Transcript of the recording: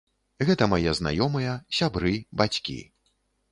Гэта мае знаёмыя, сябры, бацькі.